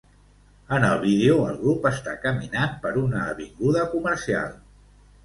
En el vídeo, el grup està caminant per una avinguda comercial.